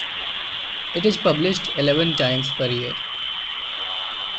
It is published eleven times per year.